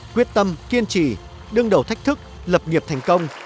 quyết tâm kiên trì đương đầu thách thức lập nghiệp thành công